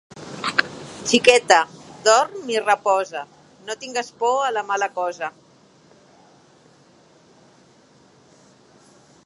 Xiqueta! Dorm i reposa, no tingues por a la mala cosa.